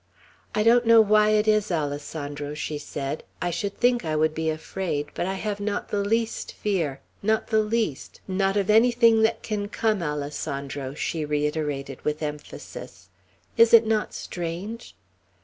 "I don't know why it is, Alessandro," she said; "I should think I would be afraid, but I have not the least fear, not the least; not of anything that can come, Alessandro," she reiterated with emphasis. "Is it not strange?"